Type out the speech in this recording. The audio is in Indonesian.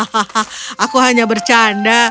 hahaha aku hanya bercanda